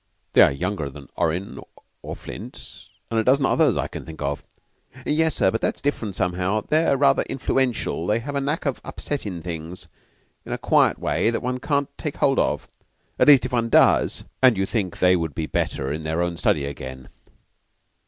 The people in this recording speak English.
"They are younger than Orrin, or Flint, and a dozen others that I can think of." "Yes, sir; but that's different, somehow. They're rather influential. They have a knack of upsettin' things in a quiet way that one can't take hold of. At least, if one does " "And you think they would be better in their own study again?"